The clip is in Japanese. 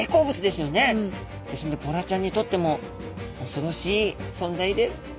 ですんでボラちゃんにとってもおそろしい存在です。